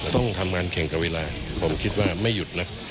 ต้องทำงานแข่งกับเวลาผมคิดว่าไม่หยุดนะ